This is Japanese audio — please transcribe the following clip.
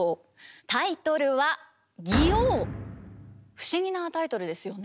タイトルは不思議なタイトルですよね。